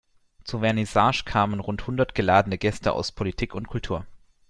Zur Vernissage kamen rund hundert geladene Gäste aus Politik und Kultur.